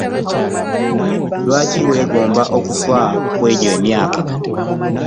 Lwaki weegomba okufa kwegyo emyaka?